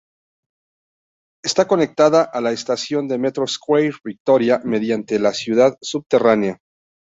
Está conectada a la estación de metro de Square-Victoria mediante la ciudad subterránea.